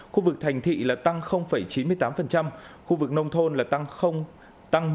khu vực thành thị là tăng chín mươi tám khu vực nông thôn là tăng một